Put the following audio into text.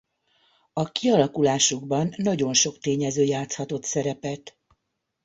A kialakulásukban nagyon sok tényező játszhatott szerepet.